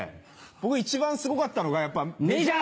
僕一番すごかったのがやっぱメジャー。